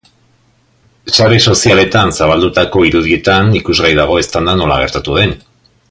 Sare sozialetan zabaldutako irudietan ikusgai dago eztanda nola gertatu den.